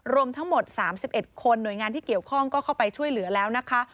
รวมทั้งหมด๓๑คนหน่วยงานที่เกี่ยวข้องก็เข้าไปช่วยเหลือแล้วนะคะ